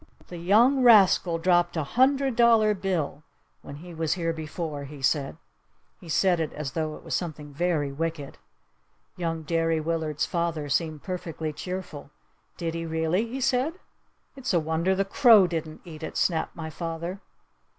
"The young rascal dropped a hundred dollar bill when he was here before!" he said. He said it as tho it was something very wicked. Young Derry Willard's father seemed perfectly cheerful. "Did he really?" he said. "It's a wonder the crow didn't eat it!" snapped my father.